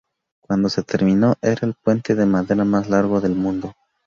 Cuando se terminó, era el puente de madera más largo del mundo.